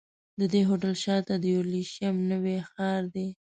د دې هوټل شاته د یورشلېم نوی ښار دی.